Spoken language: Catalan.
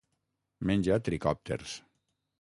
Menja tricòpters.